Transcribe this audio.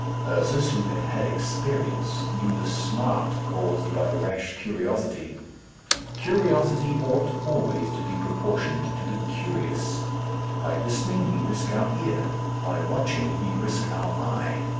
Ursus, who had had experience, knew the smart caused by rash curiosity. Curiosity ought always to be proportioned to the curious. By listening, we risk our ear; by watching, we risk our eye.